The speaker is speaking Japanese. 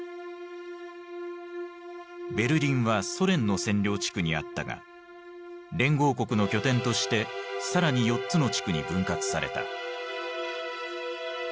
ベルリンはソ連の占領地区にあったが連合国の拠点として更に４つの地区に分割された。